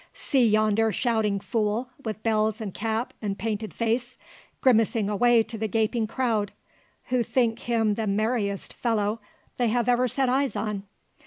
See yonder shouting fool, with bells and cap and painted face, grimacing away to the gaping crowd, who think him the merriest fellow they have ever set eyes on.